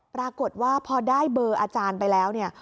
ปรากฏว่าพอได้เบอร์อาจารย์ไปแล้วเนี่ย